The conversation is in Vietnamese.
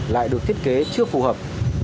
lại được thiết kế chưa phù hợp